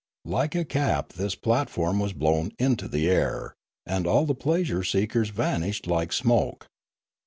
Like a cap this platform was blown into the air, and all the pleasure* seekers vanished like smoke.